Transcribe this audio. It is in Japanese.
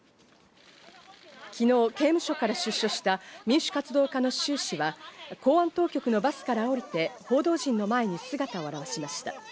昨日、刑務所から出所した民主活動家のシュウ氏は公安当局のバスから降りて、報道陣の前に姿を現しました。